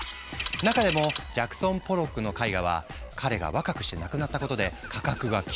中でもジャクソン・ポロックの絵画は彼が若くして亡くなったことで価格が急騰。